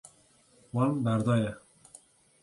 Wan berdaye.